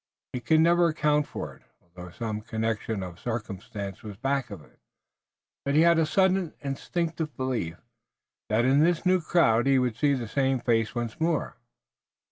He could never account for it, although some connection of circumstances was back of it, but he had a sudden instinctive belief that in this new crowd he would see the same face once more.